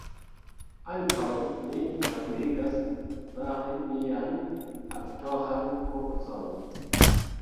Ankaŭ mi daŭrigas fari mian aktoran kurson